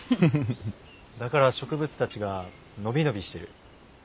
だから植物たちが伸び伸びしてる。